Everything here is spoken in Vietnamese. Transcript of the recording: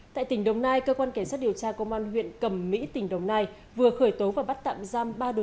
tại tỉnh đồng nai cơ quan cảnh sát điều tra công an huyện cầm mỹ tỉnh đồng nai vừa khởi tố và bắt tạm giam ba đối tượng